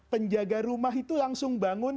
penjaga rumah itu langsung bangun